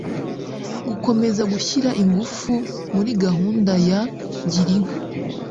gukomeza gushyira ingufu muri gahunda ya girinka